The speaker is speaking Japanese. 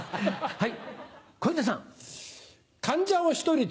はい。